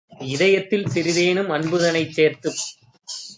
இதயத்தில் சிறிதேனும் அன்புதனைச் சேர்த்துப்